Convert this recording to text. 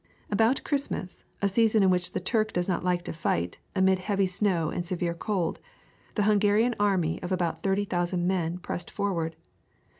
About Christmas, a season in which the Turk does not like to fight, amid heavy snow and severe cold, the Hungarian army of about thirty thousand men pressed forward.